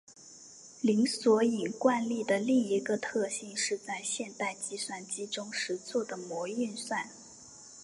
零索引惯例的另一个特性是在现代计算机中实作的模运算。